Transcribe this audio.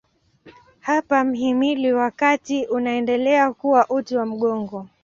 Hapa mhimili wa kati unaendelea kuwa uti wa mgongo.